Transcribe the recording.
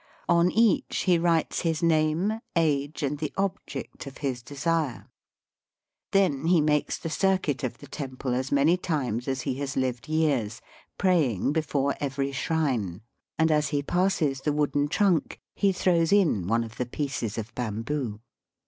On each he writes his name, age, and the object of his desire. Then he makes the circuit of the temple as many times as he has lived years, praying before every shrine, and as he passes Digitized by VjOOQIC 78 EAST BY WEST. the wooden trunk he throws in one of the pieces of hamboo.